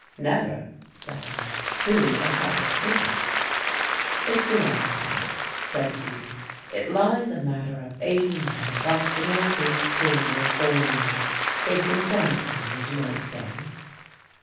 "Never," said I. "Who or what is it?" "It's an island," said he. "It lies a matter of eighty miles off the north east corner of Borneo facing Sandakan, as you might say."